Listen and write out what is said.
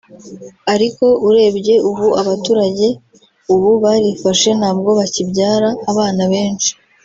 Ariko urebye ubu abaturage ubu barifashe ntabwo bakibyara abana benshi